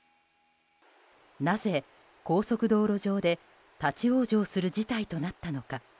なぜ高速道路上で立ち往生する事態となったのか。